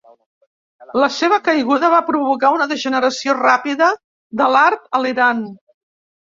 La seva caiguda va provocar una degeneració ràpida de l'art a l'Iran.